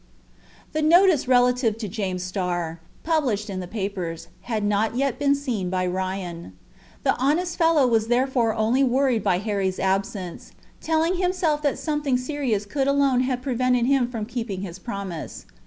The notice relative to James Starr, published in the papers, had not yet been seen by Ryan. The honest fellow was therefore only worried by Harry's absence, telling himself that something serious could alone have prevented him from keeping his promise.